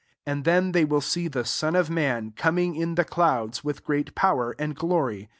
26 And then they will see the Son of man coming in the clouds, with great power and glory.